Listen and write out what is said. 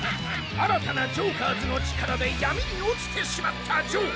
新たなジョーカーズの力で闇に落ちてしまったジョー。